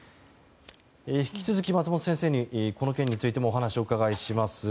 引き続き、松本先生にこの件についてもお話をお伺いします。